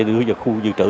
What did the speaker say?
đưa vào khu dự trữ